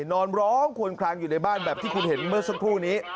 นอนร้องควนคลังอยู่ในบ้านแบบที่คุณเห็นเมื่อสักครู่นี้